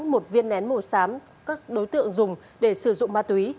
một viên nén màu xám các đối tượng dùng để sử dụng ma túy